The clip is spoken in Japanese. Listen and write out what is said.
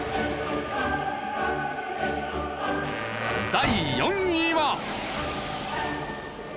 第４位は。